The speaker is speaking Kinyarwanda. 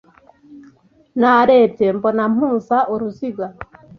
Narebye mbona mpuza uruziga